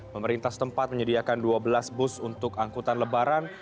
pemerintah setempat menyediakan dua belas bus untuk angkutan lebaran